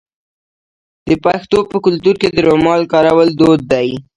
د پښتنو په کلتور کې د رومال کارول دود دی.